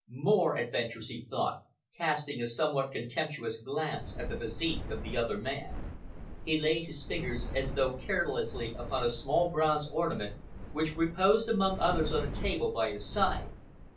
More adventures, he thought, casting a somewhat contemptuous glance at the physique of the other man. He laid his fingers as though carelessly upon a small bronze ornament which reposed amongst others on a table by his side.